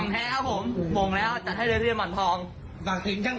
แต่จริงว่ะ